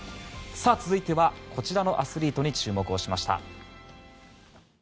続いてはこちらのアスリートに注目しました。